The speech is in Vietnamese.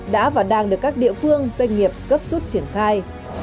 đã và đang được các địa phương doanh nghiệp cấp suốt triển khai